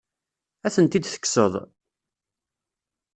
Ad tent-id-tekkseḍ?